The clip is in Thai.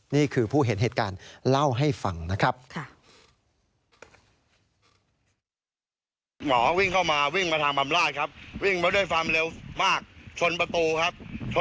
นี่คือผู้เห็นเหตุการณ์เล่าให้ฟังนะครับ